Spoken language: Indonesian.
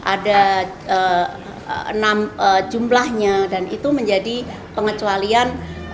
ada enam jumlahnya dan itu menjadi pengecualian